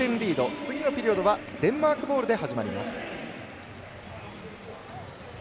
次のピリオドはデンマークボールで始まります。